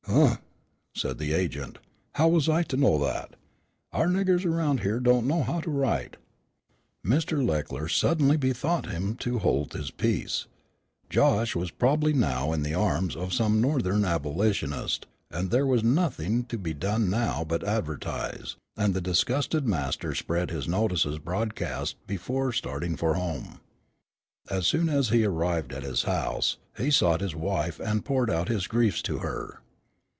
"Humph!" said the agent, "how was I to know that? Our niggers round here don't know how to write." Mr. Leckler suddenly bethought him to hold his peace. Josh was probably now in the arms of some northern abolitionist, and there was nothing to be done now but advertise; and the disgusted master spread his notices broadcast before starting for home. As soon as he arrived at his house, he sought his wife and poured out his griefs to her.